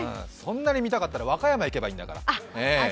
そんなに見たかったら和歌山行けばいいんだから。